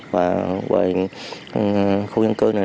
và khu dân cư này